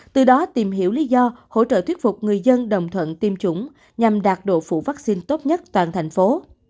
từ đó tìm hiểu lý do hỗ trợ thuyết phục người dân đồng thuận tiêm chủng nhằm đạt độ phụ vaccine tốt nhất toàn thành phố